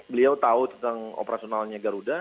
beliau tahu tentang operasionalnya garuda